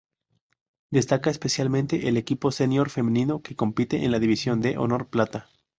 Destaca especialmente el equipo senior femenino, que compite en la División de Honor plata.